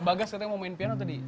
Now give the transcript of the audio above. bagas katanya mau main piano tadi